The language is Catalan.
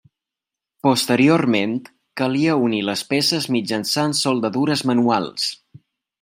Posteriorment, calia unir les peces mitjançant soldadures manuals.